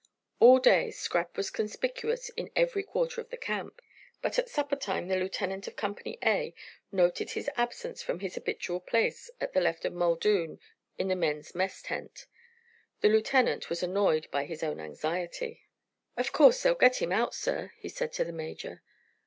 All day Scrap was conspicuous in every quarter of the camp, but at supper time the lieutenant of Company A noted his absence from his habitual place at the left of Muldoon in the men's mess tent. The lieutenant was annoyed by his own anxiety. "Of course they'll get him out, sir?" he said to the major.